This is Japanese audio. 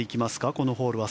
このホールは。